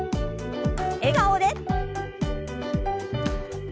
笑顔で。